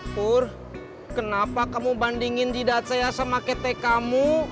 pur kenapa kamu bandingin didat saya sama ketek kamu